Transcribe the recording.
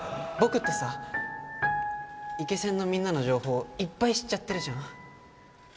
僕ってさイケセンのみんなの情報いっぱい知っちゃってるじゃん？